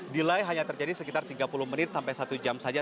delay hanya terjadi sekitar tiga puluh menit sampai satu jam saja